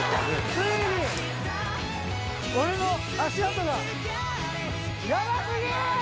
ついに俺の足跡がヤバすぎ！